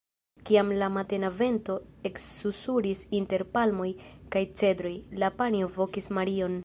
Kiam la matena vento eksusuris inter palmoj kaj cedroj, la panjo vokis Marion.